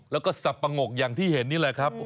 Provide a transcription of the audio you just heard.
แล้วก็สับปะงกอย่างที่เห็นนี่แหละครับ